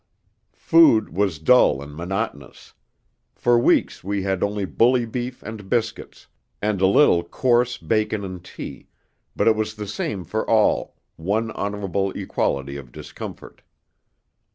Food was dull and monotonous: for weeks we had only bully beef and biscuits, and a little coarse bacon and tea, but it was the same for all, one honourable equality of discomfort.